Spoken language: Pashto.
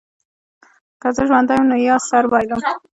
که زه ژوندی وم نو یا سر بایلم.